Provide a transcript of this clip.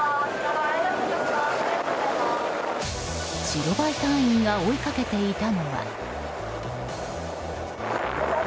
白バイ隊員が追いかけていたのは。